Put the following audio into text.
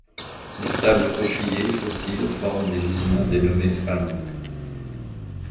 Les sables coquillers fossiles forment des gisements dénommés faluns.